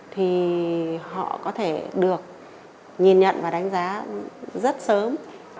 thì họ có thể được nhìn nhận và đánh giá rất sớm